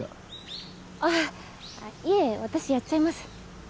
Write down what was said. あっいえ私やっちゃいます。